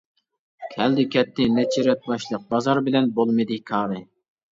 كەلدى، كەتتى نەچچە رەت باشلىق، بازار بىلەن بولمىدى كارى.